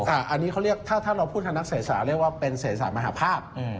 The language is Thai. อันนี้เขาเรียกถ้าเราพูดทางนักเสศาเรียกว่าเป็นเสศาสตร์มหภาพ